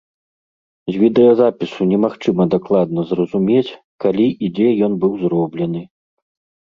З відэазапісу немагчыма дакладна зразумець, калі і дзе ён быў зроблены.